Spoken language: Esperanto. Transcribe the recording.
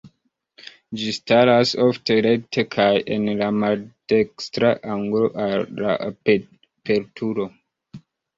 Ĝi staras ofte rekte kaj en la maldekstra angulo al la aperturo.